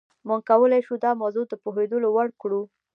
موږ کولای شو دا موضوع د پوهېدو وړ کړو.